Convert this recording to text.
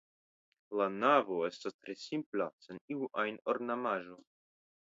La navo estas tre simpla sen iu ajn ornamaĵo.